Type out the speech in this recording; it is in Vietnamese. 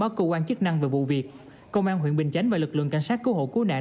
báo cơ quan chức năng về vụ việc công an huyện bình chánh và lực lượng cảnh sát cứu hộ cứu nạn